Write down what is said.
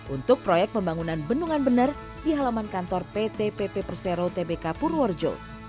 untuk proyek pembangunan bendungan bener di halaman kantor pt pp persero tbk purworejo